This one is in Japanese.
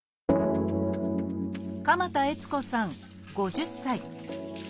鎌田悦子さん５０歳。